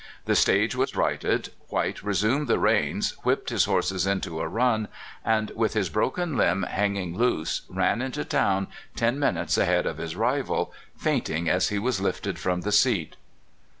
The stage was righted, White resumed the reins, whipped his horses into a run, and, with his bro ken limb hanging loose, ran into town ten minutes ahead of his rival, fainting as he was lifted from the seat.